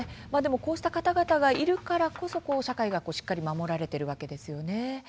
でも、こうした方々がいるからこそ社会がしっかり守られているわけですよね。